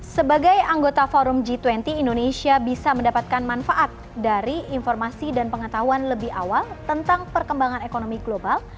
sebagai anggota forum g dua puluh indonesia bisa mendapatkan manfaat dari informasi dan pengetahuan lebih awal tentang perkembangan ekonomi global